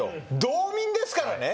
道民ですからね